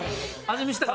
味見したか？